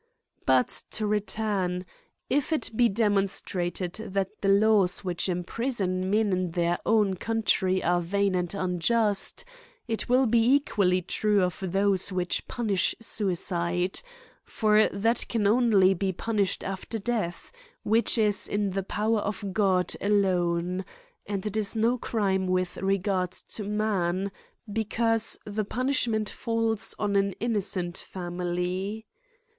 But, to return: — If it be demonstrated that the laws which imprison men in their own coun try are vain and unjust, it will be equally true of those which punish suicide ; for that can only be punished after death, which is in the power of God alone ; but it is no crime with regard to m^n, because the punishnient falls on an innocent fami ly.